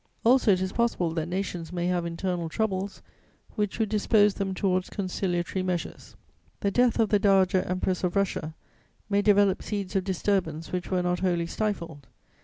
Also it is possible that nations may have internal troubles which would dispose them towards conciliatory measures. [Sidenote: Conclusions.] "The death of the Dowager Empress of Russia may develop seeds of disturbance which were not wholly stifled.